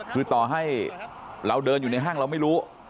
คือต่อให้เราเดินอยู่ในห้างเราไม่รู้